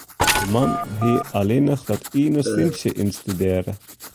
De man hie allinnich dat iene sintsje ynstudearre.